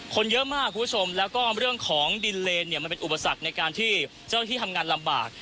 คนเยอะมากคุณผู้ชมแล้วก็เรื่องของดินเลนเนี่ยมันเป็นอุปสรรคในการที่เจ้าหน้าที่ทำงานลำบาก